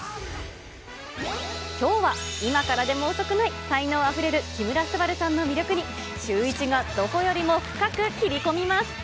きょうは、今からでも遅くない、才能あふれる木村昂さんの魅力に、シューイチがどこよりも深く切り込みます。